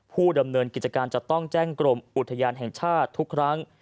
ผู้ดำเนินกิจการจะต้องแจ้งกรมอุทยานแห่งชาติทุกครั้ง